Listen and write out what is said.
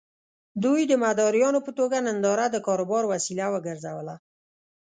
دوی د مداريانو په توګه ننداره د کاروبار وسيله وګرځوله.